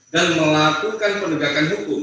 dan melakukan penegakan hukum